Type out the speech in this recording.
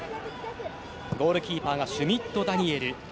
ゴールキーパーがシュミット・ダニエル